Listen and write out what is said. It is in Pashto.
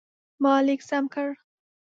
ما لیک سم کړ.